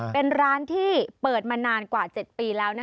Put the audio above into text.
เป็นร้านที่เปิดมานานกว่า๗ปีแล้ว